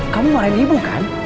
kamu marahin ibu kan